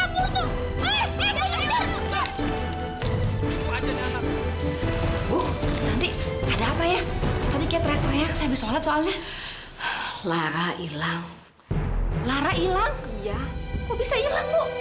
buk nanti ada apa ya tapi kayak teriak teriak saya besok soalnya lara hilang lara hilang